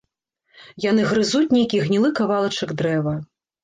Яны грызуць нейкi гнiлы кавалачак дрэва...